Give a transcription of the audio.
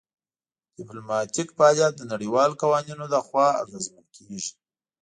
ډیپلوماتیک فعالیت د نړیوالو قوانینو لخوا اغیزمن کیږي